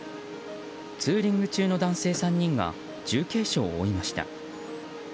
ツーリング中の男性３人が重軽傷を負いました。